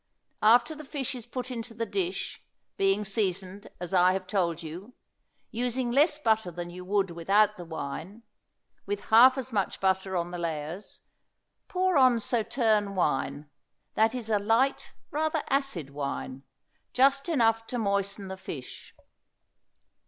After the fish is put into the dish, being seasoned as I have told you, using less butter than you would without the wine, with half as much butter on the layers, pour on Sauterne wine, that is a light, rather acid wine, just enough to moisten the fish.